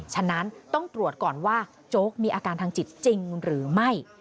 ฉะนั้นต้องตรวจก่อนว่าโจ๊กมีอาการทางจิตจริงหรือไม่